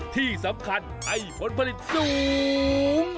ที่สำคัญให้ผลผลิตสูง